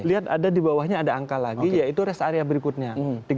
lihat ada dibawahnya ada angka lagi ya itu res area berikutnya